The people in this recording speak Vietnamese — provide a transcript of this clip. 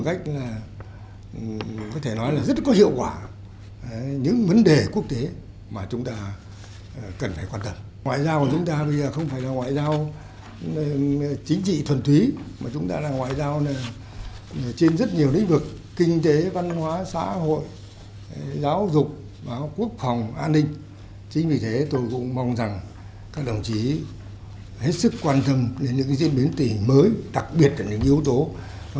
các đồng chí hết sức quan tâm đến những diễn biến tình hình mới đặc biệt là những yếu tố